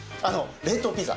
冷凍ピザ。